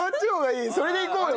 それでいこうよ